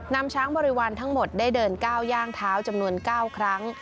นำช้างบริวารทั้งหมดได้เดินก้าวย่างเท้าจำนวน๙ครั้ง